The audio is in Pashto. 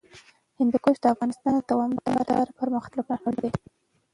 هندوکش د افغانستان د دوامداره پرمختګ لپاره اړین دي.